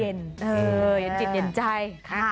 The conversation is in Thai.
เย็นจิตเห็นใจ